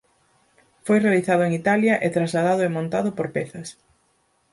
Foi realizado en Italia e trasladado e montado por pezas.